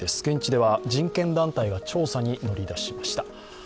現地では人権団体が調査に乗り出しました。